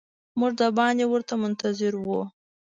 موږ د باندې ورته منتظر وو.